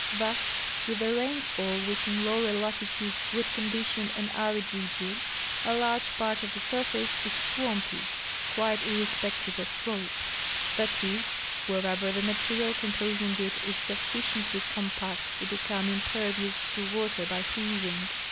Thus, Avith a rainfall which in loAver latitudes Avould condition an arid region, a large part of the surface is SAvampy, quite irrespective of slope ; that is, Avherever the ma terial composing it is sufficiently compact to become impervious to Avater by freezing.